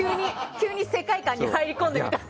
急に世界観に入り込んでみたんです。